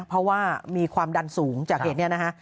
เพราะว่ามีความดันสูงจากเหตุนี้นะฮะ